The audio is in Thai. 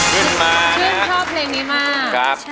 ขึ้นมาขึ้นชอบเพลงนี้มาก